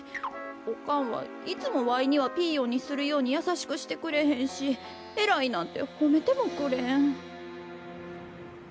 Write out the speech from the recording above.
おかんはいつもわいにはピーヨンにするようにやさしくしてくれへんし「えらい」なんてほめてもくれん。